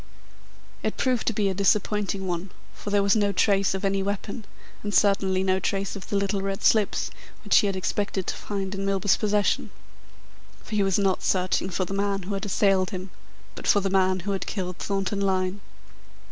It proved to be a disappointing one, for there was no trace of any weapon, and certainly no trace of the little red slips which he had expected to find in Milburgh's possession. For he was not searching for the man who had assailed him, but for the man who had killed Thornton Lyne.